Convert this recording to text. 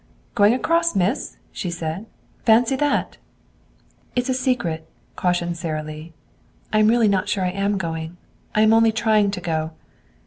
"Going across, miss!" she said. "Fancy that!" "It's a secret," cautioned Sara Lee. "I am really not sure I am going. I am only trying to go."